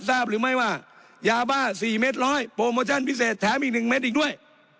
ทราบหรือไม่ว่ายาบ้า๔เม็ดร้อยโปรโมชั่นพิเศษแถมอีก๑เม็ดอีกด้วย